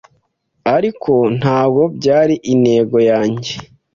ariko ntabwo byari intego yanjye.